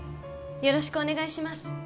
よろしくお願いします